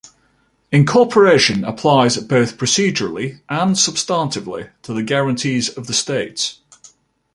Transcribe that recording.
Incorporation applies both procedurally and substantively to the guarantees of the states.